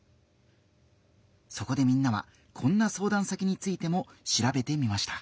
そこでみんなはこんな相談先についてもしらべてみました。